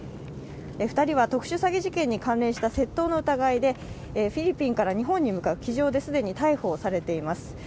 ２人は、特殊詐欺事件に関連した窃盗の疑いでフィリピンから日本に向かう機上で既に逮捕されています。